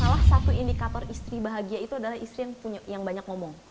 salah satu indikator istri bahagia itu adalah istri yang banyak ngomong